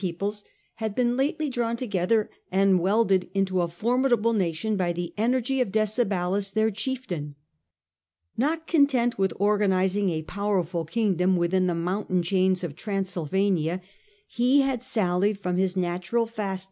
11 111 1 1 peoples had been lately drawn together and the Dadan welded into a formidable nation by the energy of Decebalus, their chieftain. Not content with organiz ing a powerful kingdom within the mountain chains of Transylvania, he had sallied from his natural fastness 28 A,0.